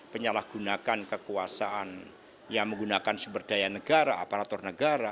penyalahgunakan kekuasaan yang menggunakan sumber daya negara aparatur negara